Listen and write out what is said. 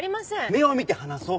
目を見て話そう。